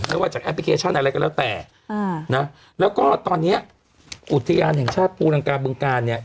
ไม่ว่าจากแอปพลิเคชันอะไรก็แล้วแต่อ่านะแล้วก็ตอนเนี้ยอุทยานแห่งชาติภูรังกาบึงการเนี่ย